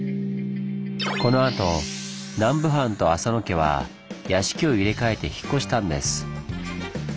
このあと南部藩と浅野家は屋敷を入れ替えて引っ越したんです。